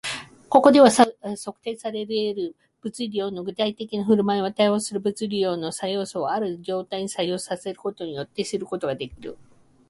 ここでは、測定され得る物理量の具体的な振る舞いは、対応する物理量の作用素をある状態に作用させることによって知ることができる